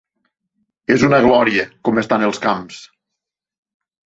És una glòria, com estan els camps.